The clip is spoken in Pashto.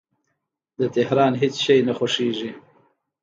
د تهران هیڅ شی نه خوښیږي